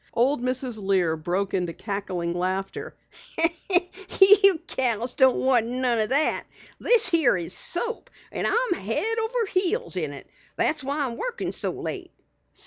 Old Mrs. Lear broke into cackling laughter. "You gals don't want none o' that! This here is soap and I'm head over heels in it. That's why I'm workin' so late."